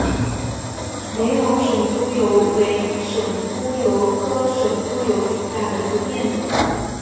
玫红省沽油为省沽油科省沽油属下的一个变种。